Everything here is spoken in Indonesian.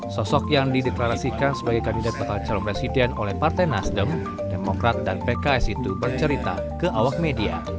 sosok yang dideklarasikan sebagai kandidat bakal calon presiden oleh partai nasdem demokrat dan pks itu bercerita ke awak media